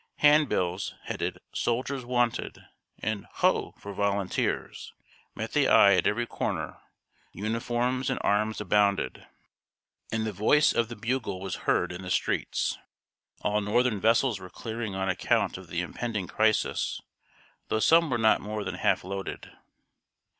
Hand bills, headed "Soldiers wanted," and "Ho! for volunteers," met the eye at every corner; uniforms and arms abounded, and the voice of the bugle was heard in the streets. All northern vessels were clearing on account of the impending crisis, though some were not more than half loaded.